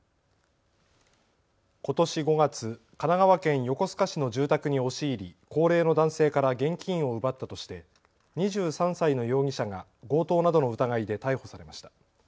ことし５月、神奈川県横須賀市の住宅に押し入り高齢の男性から現金を奪ったとして２３歳の容疑者が強盗などの疑いで逮捕されました。